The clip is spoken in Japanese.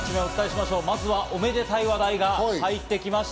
まずはおめでたい話題が入ってきました。